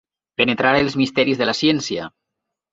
Penetrar els misteris de la ciència.